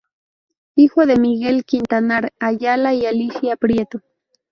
Hijo de Miguel Quintanar Ayala y Alicia Prieto.